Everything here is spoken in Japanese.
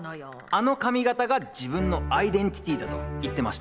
あの髪形が自分のアイデンティティだと言ってました。